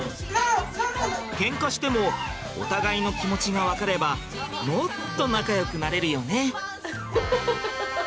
ケンカしてもお互いの気持ちが分かればもっと仲良くなれるよね。